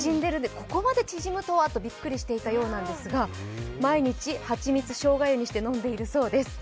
ここまで縮むとはとびっくりしていたんですが、毎日蜂蜜しょうが湯にして飲んでいるそうです。